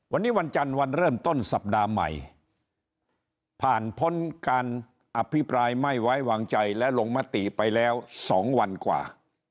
วันนี้วันจันทร์วันเริ่มต้นสัปดาห์ใหม่ผ่านพ้นการอภิปรายไม่ไว้วางใจและลงมติไปแล้ว๒วันกว่า